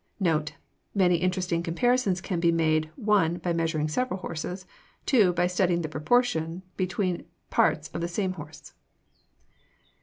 NOTE. Many interesting comparisons can be made (1) by measuring several horses; (2) by studying the proportion between parts of the same horse.